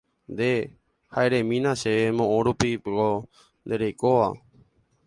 Nde, ha eremína chéve moõrupípiko nde reikóva